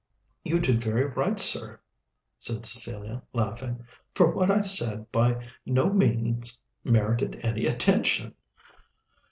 "You did very right, sir," said Cecilia, laughing, "for what I said by no means merited any attention."